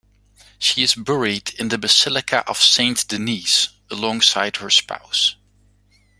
She is buried in the basilica of Saint-Denis alongside her spouse.